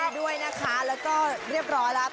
ด้วยนะคะแล้วก็เรียบร้อยแล้ว